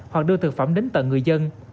hoặc đưa thực phẩm đến tận người dân